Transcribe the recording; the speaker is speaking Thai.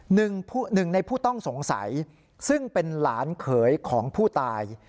หนึ่งในผู้ต้องสงสัยซึ่งเป็นหลานเขยของผู้ตาย